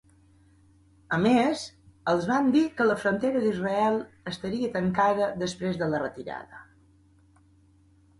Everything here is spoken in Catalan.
A més, els van dir que la frontera d'Israel estaria tancada després de la retirada.